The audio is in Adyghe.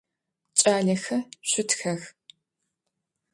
Кӏалэхэ, шъутхэх!